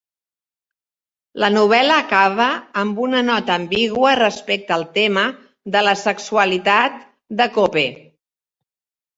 La novel·la acaba amb una nota ambigua respecte al tema de la sexualitat de Cope.